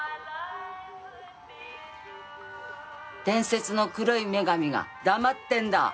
伝説の黒い女神が黙ってんだ？